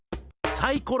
サイコロ。